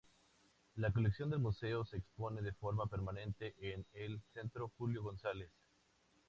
La colección del museo se expone de forma permanente en el Centro Julio González.